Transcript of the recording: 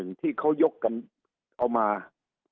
สุดท้ายก็ต้านไม่อยู่